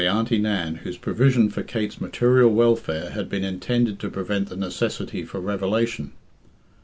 Auntie Nan, whose provision for Kate's material welfare had been intended to prevent the necessity for revelation.